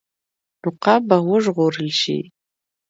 نو قام به وژغورل شي.